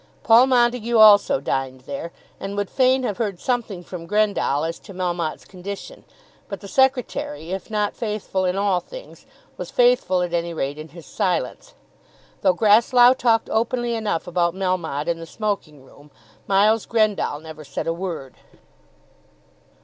Paul Montague also dined there, and would fain have heard something from Grendall as to Melmotte's condition; but the secretary, if not faithful in all things, was faithful at any rate in his silence. Though Grasslough talked openly enough about Melmotte in the smoking room Miles Grendall said never a word.